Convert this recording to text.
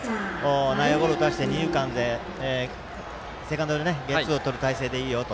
内野ゴロを打たせて二遊間で、セカンドでゲッツーをとる態勢でいいよと。